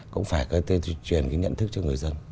cũng phải có thể truyền cái nhận thức cho người dân